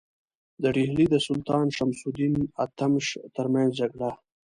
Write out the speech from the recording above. د ډهلي د سلطان شمس الدین التمش ترمنځ جګړه.